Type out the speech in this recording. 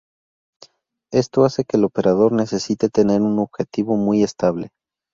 Esto hace que el operador necesite tener un objetivo muy estable.